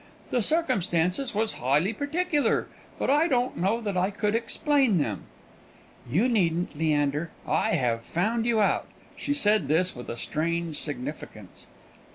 The circumstances was highly peculiar; but I don't know that I could explain them." "You needn't, Leander; I have found you out." She said this with a strange significance.